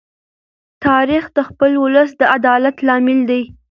تاریخ د خپل ولس د عدالت لامل دی.